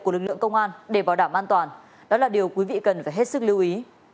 của lực lượng công an để bảo đảm an toàn đó là điều quý vị cần phải hết sức lưu ý